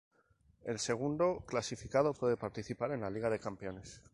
El segundo clasificado puede participar en la Liga de Campeones.